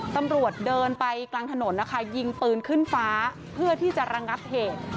ตำรวจเดินไปกลางถนนนะคะยิงปืนขึ้นฟ้าเพื่อที่จะระงับเหตุ